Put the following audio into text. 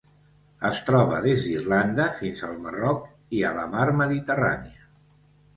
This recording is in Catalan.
Es troba des d'Irlanda fins al Marroc i a la Mar Mediterrània.